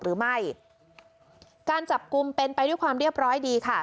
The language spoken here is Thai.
หรือไม่การจับกลุ่มเป็นไปด้วยความเรียบร้อยดีค่ะ